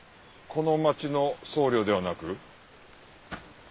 この町の僧侶ではなく？